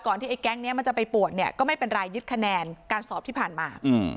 ก่อนที่แจ้งนี้จะไปปวดก็ไม่เป็นไรยึดคะแนนการสอบที่ผ่านมา